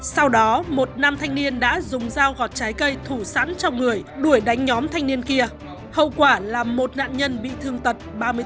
sau đó một nam thanh niên đã dùng dao gọt trái cây thủ sẵn trong người đuổi đánh nhóm thanh niên kia hậu quả là một nạn nhân bị thương tật ba mươi bốn